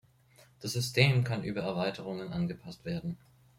Das System kann über Erweiterungen angepasst werden.